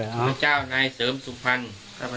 ข้าพเจ้านางสาวสุภัณฑ์หลาโภ